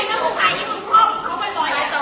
ถูกเด็ด